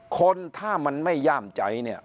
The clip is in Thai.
คนถ้ามันไม่ย่ามใจเนี่ย